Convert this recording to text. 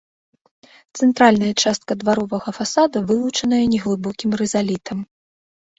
Цэнтральная частка дваровага фасада вылучаная неглыбокім рызалітам.